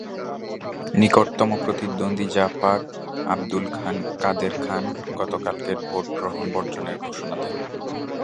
নিকটতম প্রতিদ্বন্দ্বী জাপার আবদুল কাদের খান গতকালের ভোট গ্রহণ বর্জনের ঘোষণা দেন।